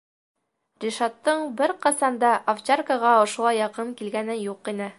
Ришаттың бер ҡасан да овчаркаға ошолай яҡын килгәне юҡ ине.